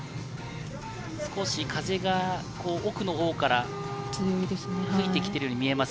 少し風が奥のほうから吹いてきているように見えます。